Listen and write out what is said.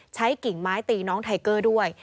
กิ่งไม้ตีน้องไทเกอร์ด้วย